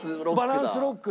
バランスロックって。